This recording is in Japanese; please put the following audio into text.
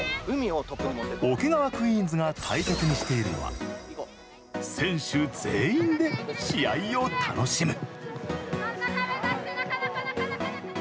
桶川クイーンズが大切にしているのは選手全員で試合を楽しむ。